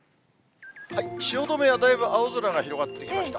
汐留はだいぶ青空が広がってきました。